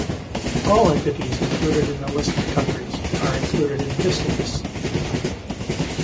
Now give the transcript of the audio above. All entities included in the list of countries are included in this list.